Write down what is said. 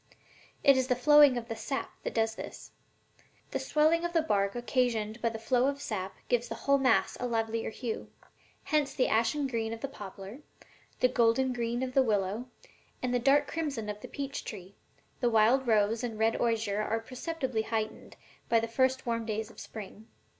It is the flowing of the sap that does this. The swelling of the bark occasioned by the flow of sap gives the whole mass a livelier hue; hence the ashen green of the poplar, the golden green of the willow and the dark crimson of the peach tree, the wild rose and the red osier are perceptibly heightened by the first warm days of spring."